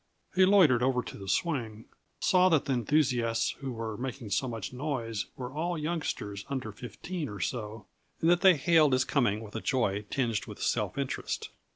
He loitered over to the swing, saw that the enthusiasts who were making so much noise were all youngsters under fifteen or so and that they hailed his coming with a joy tinged with self interest.